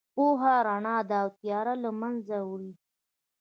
پوهه رڼا ده او تیاره له منځه وړي.